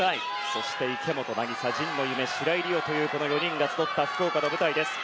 そして池本凪沙、神野ゆめ白井璃緒というこの４人が集った福岡の舞台です。